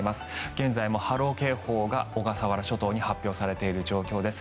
現在も波浪警報が小笠原諸島に発表されている状況です。